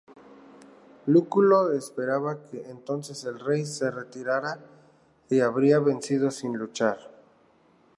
Lúculo esperaba que entonces el rey se retirada y habría vencido sin luchar.